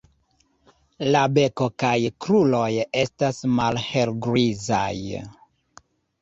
La beko kaj kruroj estas malhelgrizaj.